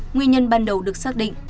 nguyên nhân ban đầu được xác định